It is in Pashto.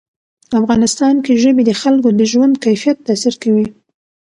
افغانستان کې ژبې د خلکو د ژوند کیفیت تاثیر کوي.